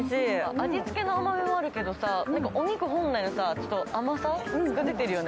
味付けのうまみもあるけどさ、お肉本来の甘さが出てるよね。